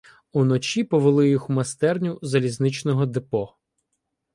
Уночі повели їх у майстерню залізничного депо.